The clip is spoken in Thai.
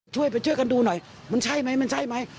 ช่วยกันดูหน่อยมันใช่ไหมมันใช่ไหม